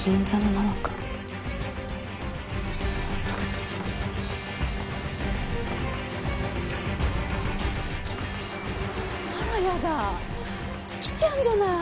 あらやだ月ちゃんじゃない！